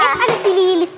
eh ada si lilis